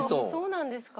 そうなんですか？